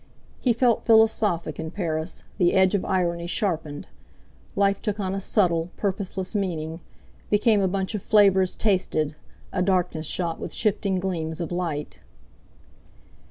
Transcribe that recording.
He felt philosophic in Paris, the edge of irony sharpened; life took on a subtle, purposeless meaning, became a bunch of flavours tasted, a darkness shot with shifting gleams of light.